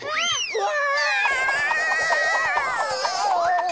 うわ！